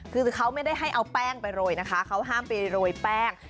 คือเขาไม่ได้ให้เอาแป้งไปโรยนะคะเขาห้ามไปโรยแป้ง